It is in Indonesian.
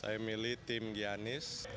saya milih tim giannis